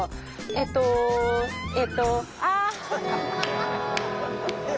えっとえっとあ。